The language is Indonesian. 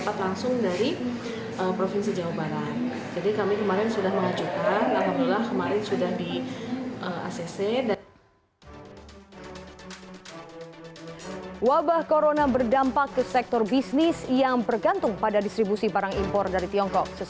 pihak rsud subang juga meminta warga untuk tidak panik dan tetap menjaga kebersihan serta ketahanan atau residenya